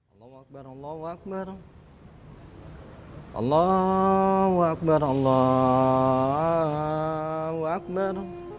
allahu akbar allahu akbar allahu akbar allahu akbar